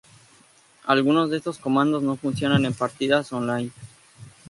Algunos de estos comandos no funcionan en partidas online.